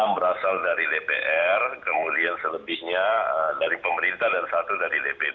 enam berasal dari dpr kemudian selebihnya dari pemerintah dan satu dari dpd